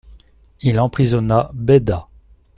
Il emprisonna Béda.